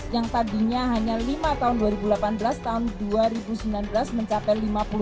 yang tadinya hanya lima tahun dua ribu delapan belas tahun dua ribu sembilan belas mencapai lima puluh delapan